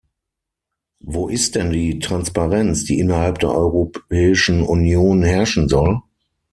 Wo ist denn die Transparenz, die innerhalb der Europäischen Union herrschen soll?